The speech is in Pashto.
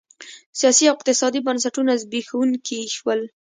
سیاسي او اقتصادي بنسټونه زبېښونکي شول